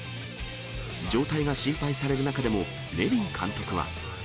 状態が心配される中でも、ネビン監督は。